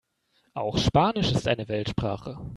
Auch Spanisch ist eine Weltsprache.